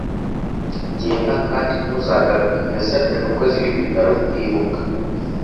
genda kandi ntuzagaruke. yasabye abakozi b'ibitaro kwibuka